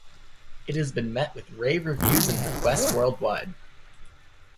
It has been met with rave reviews and requests, worldwide!